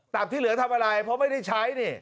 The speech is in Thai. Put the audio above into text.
ที่เหลือทำอะไรเพราะไม่ได้ใช้นี่